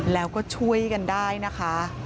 แล้วก็ช่วยกันได้นะคะ